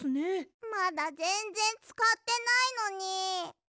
まだぜんぜんつかってないのに。